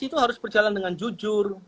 itu harus berjalan dengan jujur